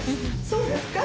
そうですか？